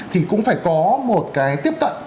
thì cũng phải có một cái tiếp cận